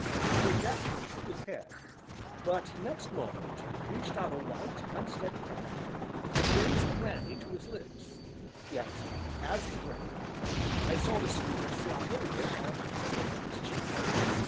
Sir Jasper shook his head, but next moment reached out a white, unsteady hand, and raised the brandy to his lips; yet as he drank, I saw the spirit slop over, and trickle from his chin.